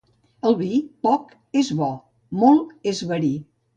El vi, poc és bo, molt és verí.